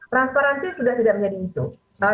transparansi sudah tidak menjadi isu